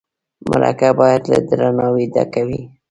مرکه باید له درناوي ډکه وي.